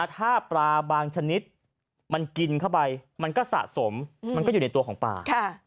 ถ้าปลาบางชนิดมันกินเข้าไปมันก็สะสมมันก็อยู่ในตัวของปลา